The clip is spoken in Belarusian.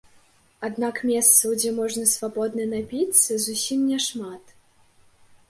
Аднак месцаў, дзе можна свабодна напіцца, зусім няшмат.